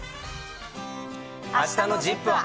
あしたのＺＩＰ！は。